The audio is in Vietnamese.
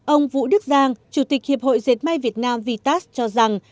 ông vũ đức giang chủ tịch hiệp hội diệt mạng việt nam vitas cho rằng